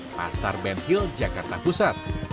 pasar ben hill jakarta pusat